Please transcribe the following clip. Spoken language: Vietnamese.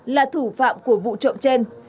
là thủ phạm của vụ trộm trên